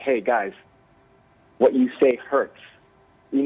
hey guys apa yang kamu katakan merasakan